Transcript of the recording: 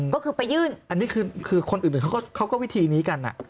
ก็คือไปยื่นอันนี้คือคนอื่นเขาก็วิธีนี้กัน